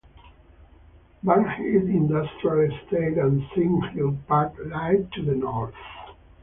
Bankhead Industrial Estate and Sighthill Park lie to the north.